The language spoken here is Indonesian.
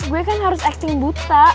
gue kan harus excing buta